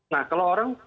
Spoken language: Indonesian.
nah kalau orang